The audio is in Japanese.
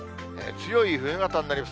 強い冬型になります。